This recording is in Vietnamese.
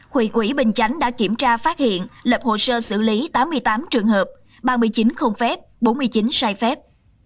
huyện quỹ bình chánh đã kiểm tra phát hiện lập hồ sơ xử lý tám mươi tám trường hợp ba mươi chín không phép bốn mươi chín sai phép